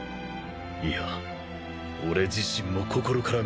いや俺自身も心から認めよう。